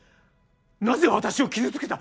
なぜ私を傷つけた？